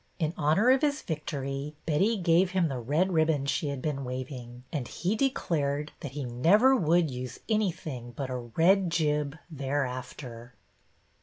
In honor of his victory, Betty gave him the red ribbon she had been waving, and he declared that he never would use anything but a red jib thereafter.